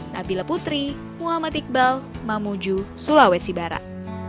nabila putri muhammad iqbal mamuju sulawesi barat